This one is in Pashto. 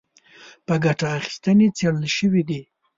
په ګټه اخیستنې څېړل شوي دي